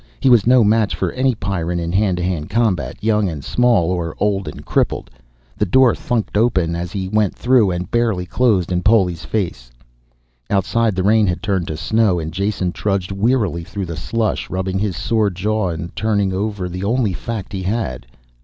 He was no match for any Pyrran in hand to hand combat, young and small or old and crippled. The door thunked open, as he went through, and barely closed in Poli's face. Outside the rain had turned to snow and Jason trudged wearily through the slush, rubbing his sore jaw and turning over the only fact he had.